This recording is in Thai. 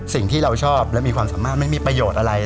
สิ่งที่เราชอบและมีความสามารถไม่มีประโยชน์อะไร